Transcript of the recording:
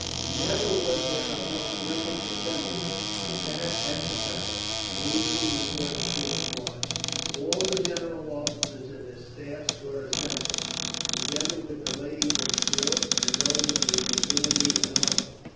Never was there a more brilliant assembly than that at the palace, the evening before the troops marched. All the general officers and their staffs were assembled, together with the ladies of the court, and those of the nobility and army.